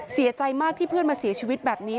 เสียใจมากที่เพื่อนมาเสียชีวิตแบบนี้